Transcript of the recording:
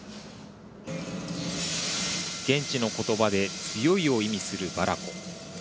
現地の言葉で強いを意味するバラコ。